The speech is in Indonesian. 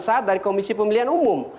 saat dari komisi pemilihan umum